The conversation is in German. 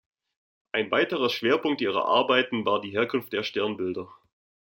Ein weiterer Schwerpunkt ihrer Arbeiten war die Herkunft der Sternbilder.